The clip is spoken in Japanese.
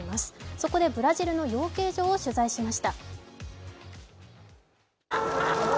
そこでブラジルの養鶏場を取材しました。